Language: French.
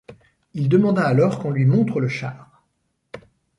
Il demanda alors qu’on lui montre le char.